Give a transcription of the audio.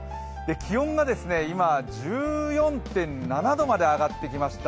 気温が、今、１４．７度まで上がってきました。